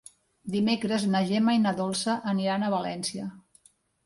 Dimecres na Gemma i na Dolça aniran a València.